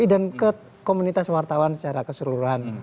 dan ke komunitas wartawan secara keseluruhan